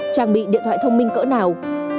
trang bị điện thoại thông minh cỡ nào